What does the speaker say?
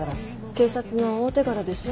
警察の大手柄でしょ？